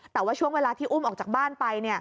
แต่ว่าช่วงเวลาที่อุ้มออกจากบ้านไป